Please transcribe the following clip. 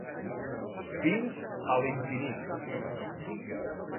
Fins a l'infinit.